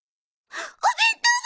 お弁当箱！！